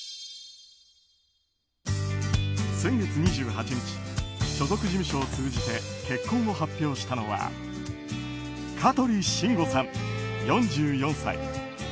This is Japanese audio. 先月２８日所属事務所を通じて結婚を発表したのは香取慎吾さん、４４歳。